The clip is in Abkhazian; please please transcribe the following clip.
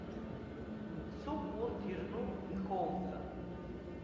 Мцуп урҭ ирну, ихоумҵан!